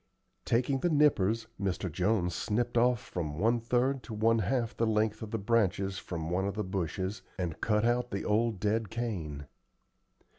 Taking the nippers, Mr. Jones snipped off from one third to one half the length of the branches from one of the bushes and cut out the old dead cane.